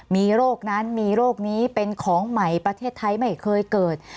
มีโรคนั้นมีโรคนี้เป็นของใหม่ประเทศไทยไม่เคยเกิด